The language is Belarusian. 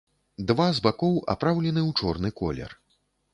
Два з бакоў апраўлены ў чорны колер.